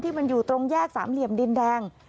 มันอยู่ตรงแยกสามเหลี่ยมดินแดง